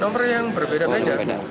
nomor yang berbeda beda